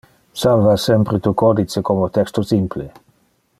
Salva sempre tu codice como texto simple.